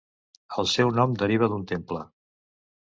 El seu nom deriva d'un temple.